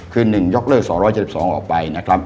คือ๑ยกเลิก๒๗๒ออกไปนะครับ